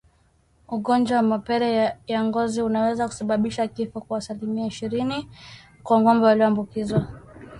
Ugonjwa wa mapele ya ngozi unaweza kusababisha kifo kwa asilimia ishirini kwa ngombe walioambukizwa